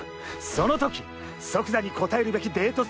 その時即座に答えるべきデート